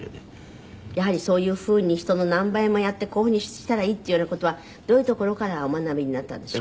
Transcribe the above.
やはりそういうふうに人の何倍もやってこういうふうにしたらいいっていうような事はどういうところからお学びになったんでしょう？